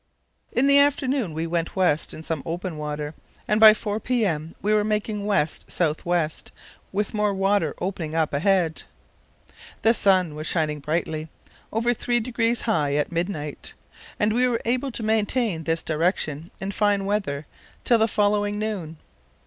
In the afternoon we went west in some open water, and by 4 p.m. we were making west south west with more water opening up ahead. The sun was shining brightly, over three degrees high at midnight, and we were able to maintain this direction in fine weather till the following noon.